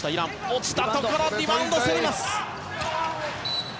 落ちたところリバウンド、競ります。